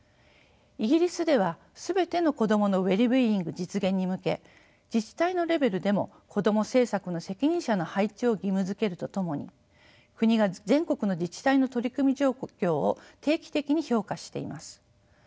イギリスでは全ての子どものウェルビーイング実現に向け自治体のレベルでもこども政策の責任者の配置を義務づけるとともに国が全国の自治体の取り組み状況を定期的に評価しています。